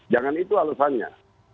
jangan itu alesannya